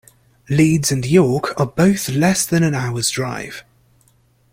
Leeds and York are both less than an hour's drive.